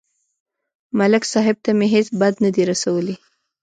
ملک صاحب ته مې هېڅ بد نه دي رسولي